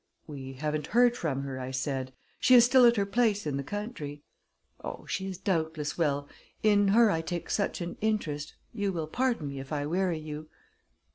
"We haven't heard from her," I said. "She is still at her place in the country." "Oh, she is doubtless well in her I take such an interest you will pardon me if I weary you."